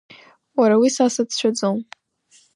Уара, уи са сацәшәаӡом.